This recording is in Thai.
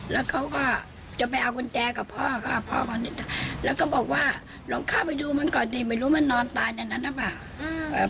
แล้วเขาก็จะไปเอากุญแจกับพ่อค่ะพ่อคนนี้แล้วก็บอกว่าลองเข้าไปดูมันก่อนดิไม่รู้มันนอนตายในนั้นหรือเปล่า